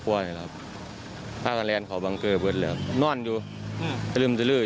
เขาบอกที่ทำงานเค้านี่โอ้โหอยู่ตรงกลางเลย